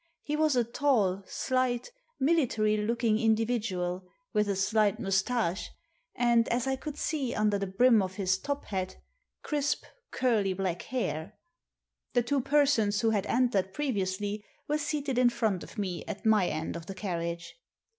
He was a tall, slight, military looking individual, with a slight moustache, and, as I could see under the brim of his top hat, crisp, curly black hair. The two persons who had entered previously were seated in front of me at my end of the carriage.